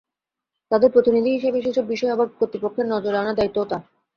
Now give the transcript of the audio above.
তাঁদের প্রতিনিধি হিসেবে সেসব বিষয় আবার কর্তৃপক্ষের নজরে আনার দায়িত্বও তাঁর।